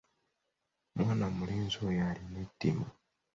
Mwana mulenzi oyo alina ettima.